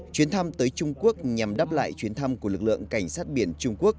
chuyến thăm tới trung quốc nhằm đáp lại chuyến thăm của lực lượng cảnh sát biển trung quốc